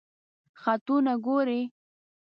خطونه ګوری؟